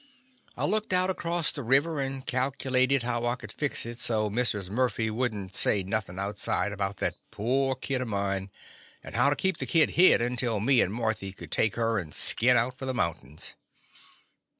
I looked out across the river, and calculated how I could fix it so Mrs. Murphy would n't say nothin' outside about that poor kid of mine, and how to keep the kid hid until me and Marthy could take her and skin out for the mountains.